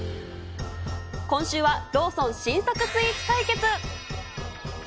今週は、ローソン新作スイーツ対決。